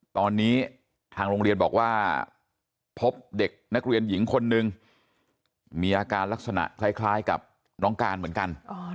ตอนนี้ทางโรงเรียนบอกว่าพบเด็กนักเรียนหญิงคนนึงมีอาการลักษณะคล้ายกับน้องการเหมือนกัน